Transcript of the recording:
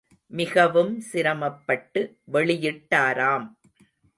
மிகவும் சிரமப்பட்டு வெளியிட்டாராம்.